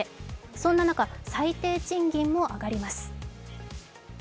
そんな中、最低賃金も上がります。